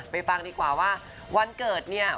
ฟังดีกว่าว่าวันเกิดเนี่ย